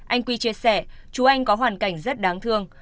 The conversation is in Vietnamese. anh quy chia sẻ chú anh có hoàn cảnh rất đáng thương